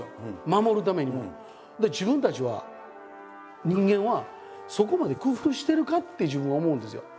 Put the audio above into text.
自分たちは人間はそこまで工夫してるかって自分は思うんですよ。